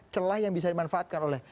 celah yang bisa dimanfaatkan oleh